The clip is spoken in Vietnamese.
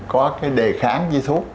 có cái đề kháng với thuốc